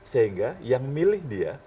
sehingga yang memilih dia